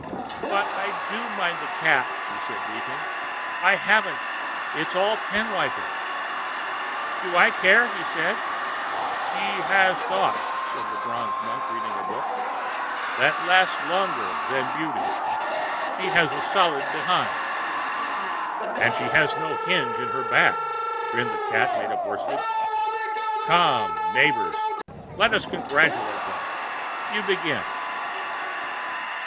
"But I do mind the Cat," said she, weeping. "I haven't. It's all pen wiper." "Do I care?" said he. "She has thoughts," said the bronze Monk reading a book. "That lasts longer than beauty. And she is solid behind."[Pg 752] "And she has no hinge in her back," grinned the Cat made of worsted. "Come, neighbors, let us congratulate them. You begin."